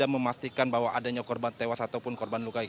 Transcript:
memastikan bahwa adanya korban tewas ataupun korban luka